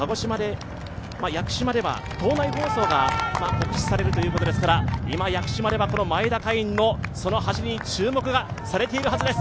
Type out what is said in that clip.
屋久島では島内放送が告知されるということですから今、屋久島では前田海音の走りに注目がされているはずです。